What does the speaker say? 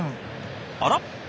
あら？